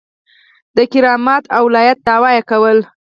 د کرامت او ولایت دعوه کوله.